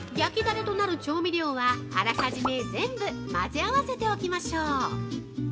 焼きダレとなる調味料はあらかじめ全部混ぜ合わせておきましょう。